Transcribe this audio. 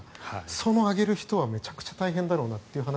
その上げる人はめちゃくちゃ大変だろうなと。